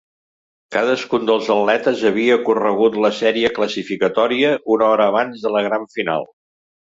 Cadascun dels atletes havia corregut la sèrie classificatòria una hora abans de la gran final.